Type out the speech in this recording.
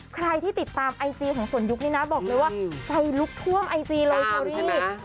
ใครที่ติดตามไอจีของสนยุคเนี่ยนะบอกเลยว่าใครลุกท่วมไอจีเลย